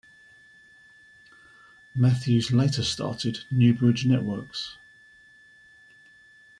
Matthews later started Newbridge Networks.